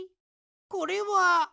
これは。